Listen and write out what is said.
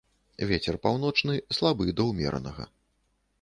Вецер паўночны слабы да ўмеранага.